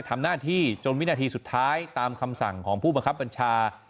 ทำหน้าที่จนวินาทีสุดท้ายตามคำสั่งของผู้บังคับบัญชา